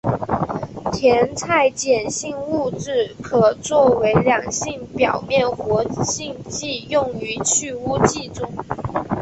甜菜碱型物质可作为两性表面活性剂用于去污剂中。